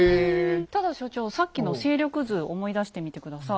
ただ所長さっきの勢力図思い出してみて下さい。